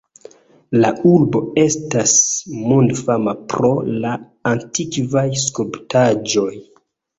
La urbo estas mondfama pro la antikvaj skulptaĵoj.